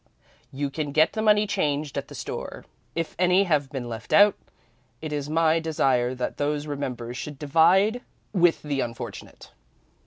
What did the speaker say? You can get the money changed at the store. If any have been left out, it is my desire that those remembered should divide with the unfortunate.